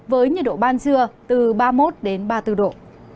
với nhiệt độ ban trưa từ ba mươi một ba mươi bốn độ